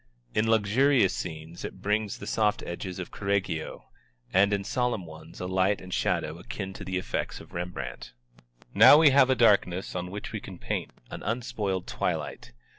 In luxurious scenes it brings the soft edges of Correggio, and in solemn ones a light and shadow akin to the effects of Rembrandt. Now we have a darkness on which we can paint, an unspoiled twilight.